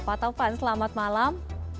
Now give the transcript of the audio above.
pak taufan selamat malam